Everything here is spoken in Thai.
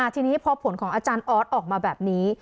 ทีนี้พอผลของอาจารย์ออสออกมาแบบนี้